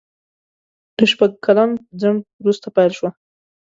له شپږ کلن ځنډ وروسته پېل شوه.